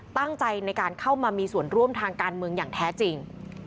ตั้งใจในการเข้ามามีส่วนร่วมทางการเมืองอย่างแท้จริง